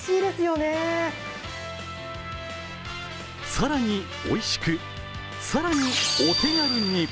更においしく、更にお手軽に。